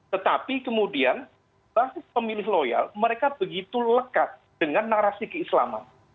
tetapi kemudian basis pemilih loyal mereka begitu lekat dengan narasi keislaman